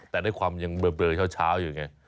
แต่ด้วยความยังเบลอเช้าอยู่ไง